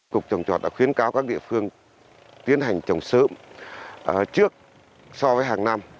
cục trồng trọt đã khuyến cáo các địa phương tiến hành trồng sớm trước so với hàng năm